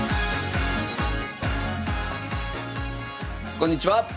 こんにちは。